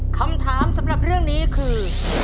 คำถามสำหรับเรื่องนี้คือ